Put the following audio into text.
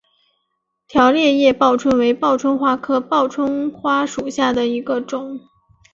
条裂叶报春为报春花科报春花属下的一个种。